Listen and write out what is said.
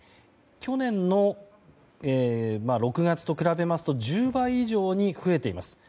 去年の６月と比べますと１０倍以上に増えています。